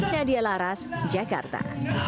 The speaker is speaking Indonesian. nadia laras jakarta